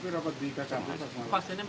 tapi dapat di kcm